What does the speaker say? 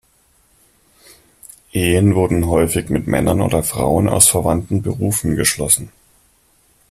Ehen wurden häufig mit Männern oder Frauen aus verwandten Berufen geschlossen.